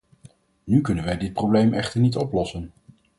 Nu kunnen wij dit probleem echter niet oplossen!